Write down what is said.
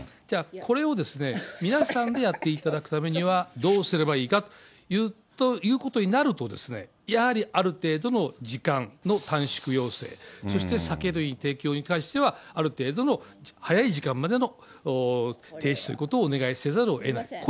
じゃあ、これを皆さんでやっていただくためには、どうすればいいかということになるとですね、やはりある程度の時間の短縮要請、そして酒類提供に関しては、ある程度の、早い時間までの停止ということをお願いせざるをえない。